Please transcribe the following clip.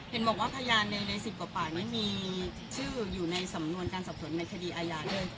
เห็นบอกว่าพยานใน๑๐กว่าปากไม่มีชื่ออยู่ในสำนวนการสอบสวนในคดีอาญาด้วย